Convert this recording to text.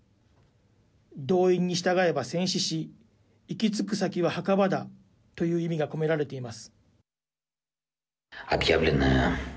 動員に従えば戦死し行き着く先は墓場だという意味が込められています。